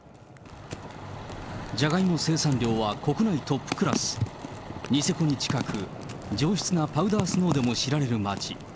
じゃがいも生産量は国内トップクラス、ニセコに近く、上質なパウダースノーでも知られる町。